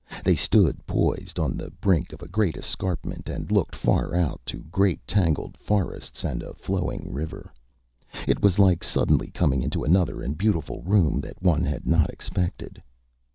They stood poised on the brink of a great escarpment and looked far out to great tangled forests and a flowing river. It was like suddenly coming into another and beautiful room that one had not expected.